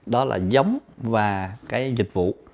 đó là giống và cái dịch vụ